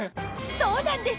そうなんです